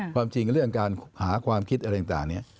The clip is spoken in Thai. ความจริงเรื่องการหาความคิดอะไรต่างเนี่ย